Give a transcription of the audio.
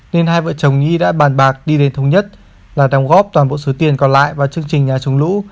nên hai vợ chồng nhi đã bàn bạc đi đến thống nhất là đóng góp toàn bộ số tiền còn lại vào chương trình nhà chống lũ